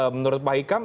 menurut pak ikam